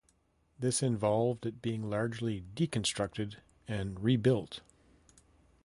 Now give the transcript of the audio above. This involved it being largely deconstructed and rebuilt.